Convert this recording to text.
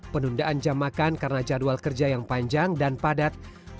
penundaan jam makan karena jadwal kerja yang panjang dan padat